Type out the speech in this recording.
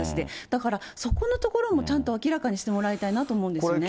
だからそこのところもちゃんと明らかにしてもらいたいなって思うんですよね。